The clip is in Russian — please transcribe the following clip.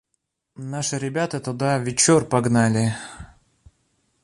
Наши ребята туда вечор погнали.